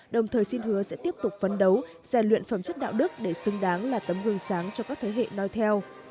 đồng thời xin hứa sẽ tiếp tục phấn đấu rèn luyện phẩm chất đạo đức để xứng đáng là tấm gương sáng cho các thế hệ nói theo